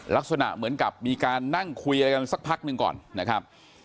ลักษณะเหมือนกับมีการนั่งคุยอะไรกันสักพักหนึ่งก่อนนะครับ